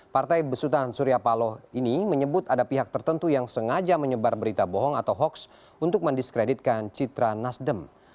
partai besutan surya paloh ini menyebut ada pihak tertentu yang sengaja menyebar berita bohong atau hoaks untuk mendiskreditkan citra nasdem